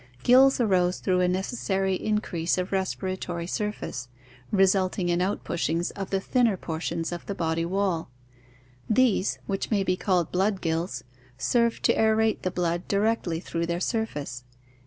Gills arose through a necessary increase of respiratory surface, resulting in outpushings of the thinner por tions of the body wall. These, which may be called blood gills, served to aerate the blood directly through their surface.